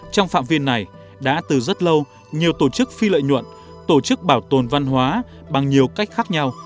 trong phạm viên này đã từ rất lâu nhiều tổ chức phi lợi nhuận tổ chức bảo tồn văn hóa bằng nhiều cách khác nhau